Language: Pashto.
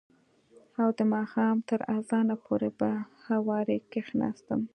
او د ماښام تر اذانه پورې به هورې کښېناستم.